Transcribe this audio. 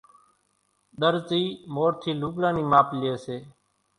ۮرزي مورِ ٿي لوڳڙان نِي ماپ لئي سي